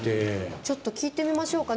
ちょっと聞いてみましょうかね。